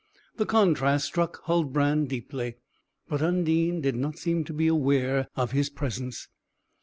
The contrast struck Huldbrand deeply; but Undine did not seem to be aware of his presence.